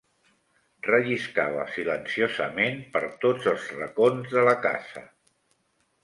Relliscava silenciosament per tots els racons de la casa